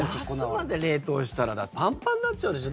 ナスまで冷凍したらパンパンになっちゃうでしょ。